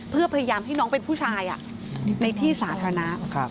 เพื่อพยายามให้น้องเป็นผู้ชายในที่สาธารณะ